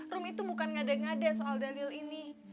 rum itu bukan ngada ngada soal dalil ini